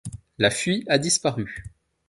La fuie a disparu.